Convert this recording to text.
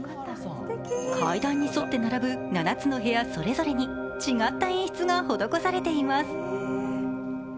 階段に沿って並ぶ７つの部屋それぞれに違った演出が施されています。